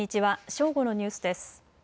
正午のニュースです。